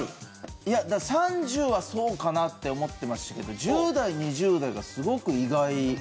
いや３０はそうかなって思ってましたけど１０代２０代がすごく意外でしたね。